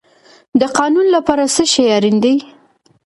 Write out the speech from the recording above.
د قانون لپاره څه شی اړین دی؟